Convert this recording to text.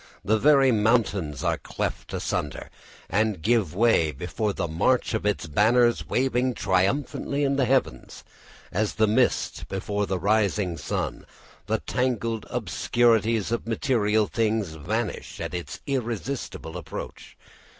The very mountains are cleft asunder and give way before the march of its banners waving triumphantly in the heavens; as the mist before the rising sun, the tangled obscurities of material things vanish at its irresistible approach.